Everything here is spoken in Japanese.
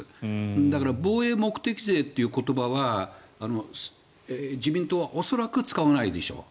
だから防衛目的税という言葉は自民党は恐らく使わないでしょう。